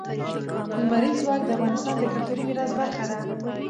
لمریز ځواک د افغانستان د کلتوري میراث برخه ده.